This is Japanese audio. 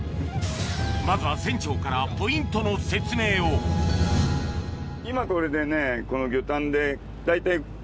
まずは船長からポイントの説明を今これでねこの魚探で大体。